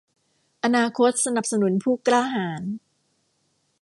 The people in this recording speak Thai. อนาคตสนับสนุนผู้กล้าหาญ